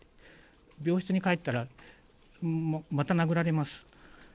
病室に帰ったら、また殴られます。